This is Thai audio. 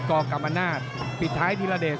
กกัมปะนาทปิดท้ายทีละเดช